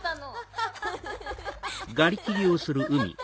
ハハハハ。